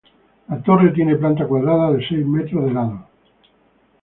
La torre tiene planta cuadrada de seis metros de lado.